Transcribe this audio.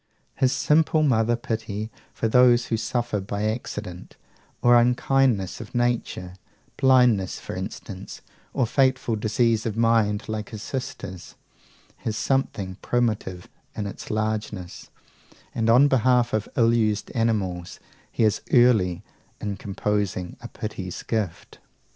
His simple mother pity for those who suffer by accident, or unkindness of nature, blindness for instance, or fateful disease of mind like his sister's, has something primitive in its largeness; and on behalf of ill used animals he is early in composing a Pity's Gift.